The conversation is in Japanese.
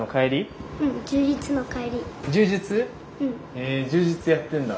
へえ柔術やってるんだ。